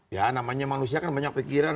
ya namanya manusia kan banyak pikiran